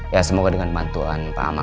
ya semoga dengan bantuan pak amal